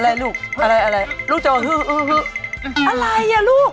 อะไรลูกอะไรลูกจะว่าฮืออะไรลูก